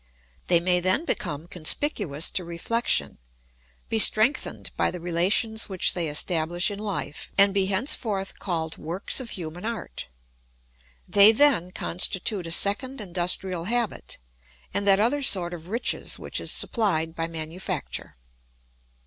They may then become conspicuous to reflection, be strengthened by the relations which they establish in life, and be henceforth called works of human art. They then constitute a second industrial habit and that other sort of riches which is supplied by manufacture.